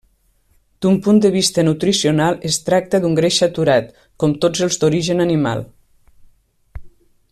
D'un punt de vista nutricional es tracta d'un greix saturat, com tots els d'origen animal.